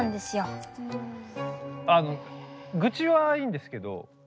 あのグチはいいんですけど。